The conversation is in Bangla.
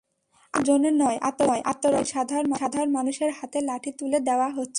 আক্রমণের জন্য নয়, আত্মরক্ষার জন্যই সাধারণ মানুষের হাতে লাঠি তুলে দেওয়া হচ্ছে।